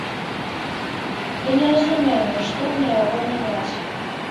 Я не разумею нашто мне яго мяняць.